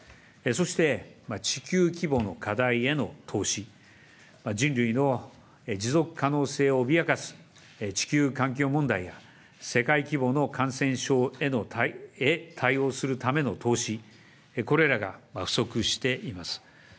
そして地球規模の課題への投資、人類の持続可能性を脅かす地球環境問題や、世界規模の感染症へ対応するための投資、これらが不足しています。